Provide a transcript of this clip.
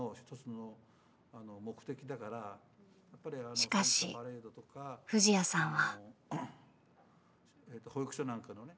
しかし藤彌さんは。